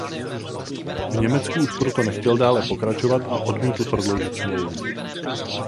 V Německu už proto nechtěl dále pokračovat a odmítl prodloužit smlouvu.